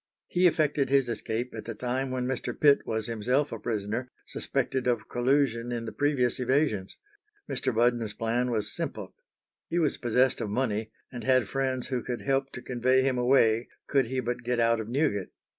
He effected his escape at the time when Mr. Pitt was himself a prisoner, suspected of collusion in the previous evasions. Mr. Budden's plan was simple. He was possessed of money, and had friends who could help to convey him away could he but get out of Newgate.